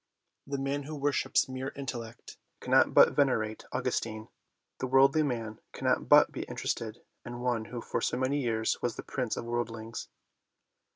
The man who worships mere intellect cannot but venerate Augustine: the worldly man cannot but be interested in one who for many years was the prince of worldlings.